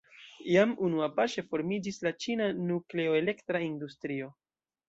Jam unuapaŝe formiĝis la ĉina nukleoelektra industrio.